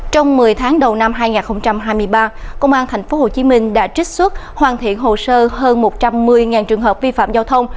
trong một mươi tháng đầu năm hai nghìn hai mươi ba công an tp hcm đã trích xuất hoàn thiện hồ sơ hơn một trăm một mươi trường hợp vi phạm giao thông